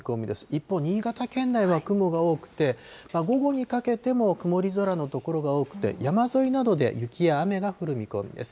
一方、新潟県内は雲が多くて午後にかけても曇り空の所が多くて、山沿いなどで雪や雨が降る見込みです。